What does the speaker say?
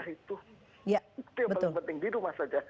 itu yang paling penting di rumah saja